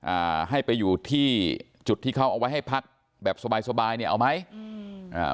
อ่าให้ไปอยู่ที่จุดที่เขาเอาไว้ให้พักแบบสบายสบายเนี่ยเอาไหมอืมอ่า